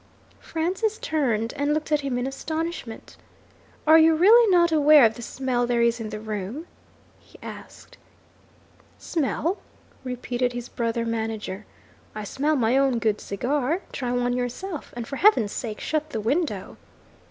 Francis turned, and looked at him in astonishment. 'Are you really not aware of the smell there is in the room?' he asked. 'Smell!' repeated his brother manager. 'I smell my own good cigar. Try one yourself. And for Heaven's sake shut the window!'